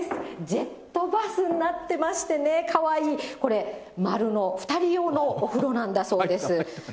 ジェットバスになってましてね、かわいい、これ丸の、２人用のお風呂なんだそうです。